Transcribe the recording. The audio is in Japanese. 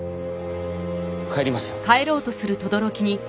帰りますよ。